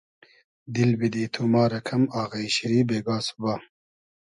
دیل بیدی تو ما رۂ کئم آغݷ شیری بېگا سوبا